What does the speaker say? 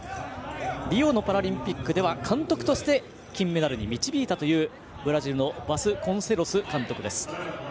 リオのパラリンピックでは監督として金メダルに導いたというブラジルのバスコンセロス監督。